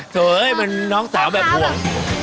เธอเฮ้ยน้องสาวแบบห่วง